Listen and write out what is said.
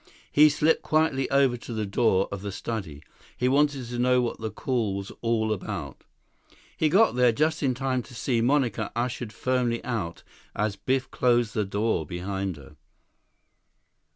He slipped quietly over to the door of the study. He wanted to know what the call was all about. He got there just in time to see Monica ushered firmly out as Biff closed the door behind her.